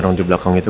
orang di belakang itu